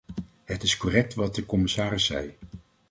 Het is correct wat de commissaris zei.